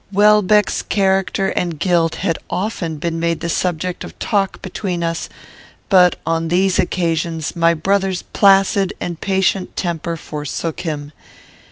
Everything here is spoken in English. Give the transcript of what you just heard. Welbeck's character and guilt had often been made the subject of talk between us, but, on these occasions, my brother's placid and patient temper forsook him.